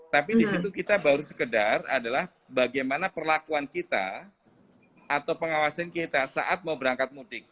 tapi di situ kita baru sekedar adalah bagaimana perlakuan kita atau pengawasan kita saat mau berangkat mudik